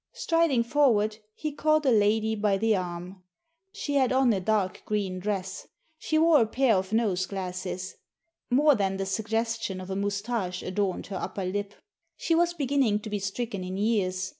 Striding forward, he caught a lady by the arm. She had on a dark g^een dress. She wore a pair of nose glasses. More than the suggestion of a moustache adorned her upper lip. She was ban ning to be stricken in years.